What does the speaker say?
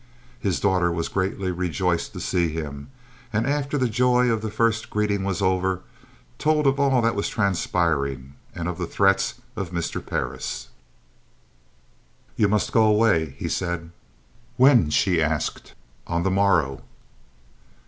His daughter was greatly rejoiced to see him and, after the joy of the first greeting was over, told of all that was transpiring and of the threats of Mr. Parris. "You must go away," he said. "When?" she asked. "On the morrow."